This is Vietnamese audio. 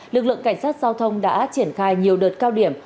lực lượng cảnh sát giao thông đã triển khai nhiều đợt cao điểm